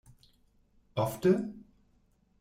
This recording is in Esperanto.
Ofte?